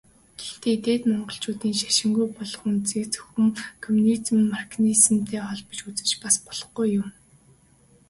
Гэхдээ Дээд Монголчуудын шашингүй болох үндсийг зөвхөн коммунизм, марксизмтай холбон үзэж бас болохгүй юм.